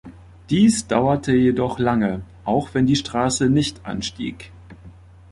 Dies dauerte jedoch lange, auch wenn die Straße nicht anstieg.